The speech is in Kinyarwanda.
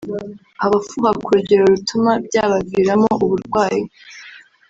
Abafuha ku rugero rutuma byabaviramo uburwayi